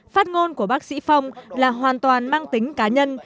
phát ngôn của bác sĩ phong là hoàn toàn mang tính cá nhân